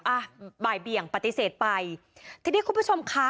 อ่ะบ่ายเบี่ยงปฏิเสธไปทีนี้คุณผู้ชมค่ะ